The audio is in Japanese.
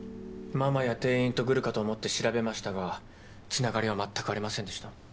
ママや店員とぐるかと思って調べましたがつながりは全くありませんでした。